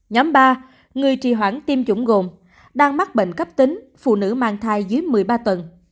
nhóm ba người trì hoãn tiêm chủng gồm đang mắc bệnh cấp tính phụ nữ mang thai dưới một mươi ba tuần